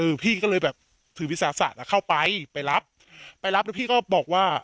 พี่ก็เลยแบบถือวิทยาศาสตร์อ่ะเข้าไปไปรับไปรับแล้วพี่ก็บอกว่า